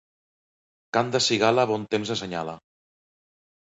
Cant de cigala bon temps assenyala.